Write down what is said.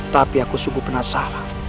tapi aku sungguh penasaran